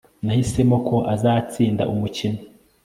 Nahisemo ko azatsinda umukino